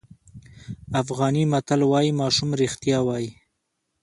افغاني متل وایي ماشوم رښتیا وایي.